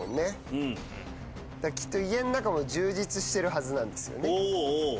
きっと家ん中も充実してるはずなんですよね。